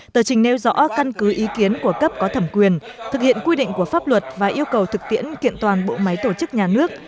tờ trình nêu rõ căn cứ ý kiến của cấp có thẩm quyền thực hiện quy định của pháp luật và yêu cầu thực tiễn kiện toàn bộ máy tổ chức nhà nước